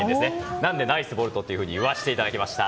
なので、ナイスヴォルトと言わせていただきました。